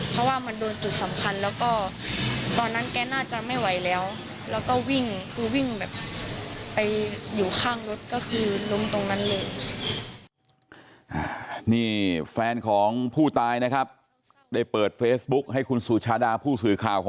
เพราะว่ามันโดนจุดสำคัญแล้วก็ตอนนั้นแกน่าจะไม่ไหวแล้ว